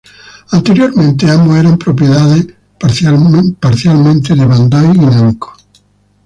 Anteriormente, ambos eran propiedades parcialmente de Bandai y Namco.